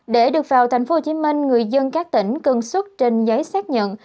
để được vào tp hcm người dân các tỉnh cần xuất trên giấy xác nhận